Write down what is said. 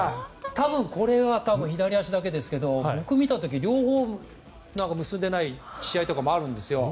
多分これは左足だけですが僕が見た時両方を結んでいない試合とかあるんですよ。